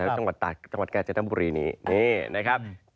จังหวัดตากจังหวัดกาญจนบุรีนี้นี่นะครับ